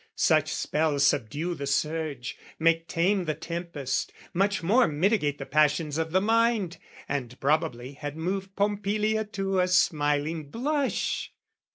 Such spells subdue the surge, Make tame the tempest, much more mitigate The passions of the mind, and probably Had moved Pompilia to a smiling blush.